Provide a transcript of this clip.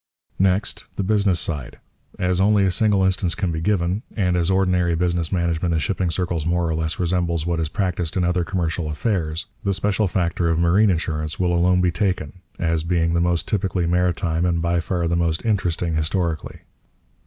Next, the business side. As only a single instance can be given, and as ordinary business management in shipping circles more or less resembles what is practised in other commercial affairs, the special factor of marine insurance will alone be taken, as being the most typically maritime and by far the most interesting historically.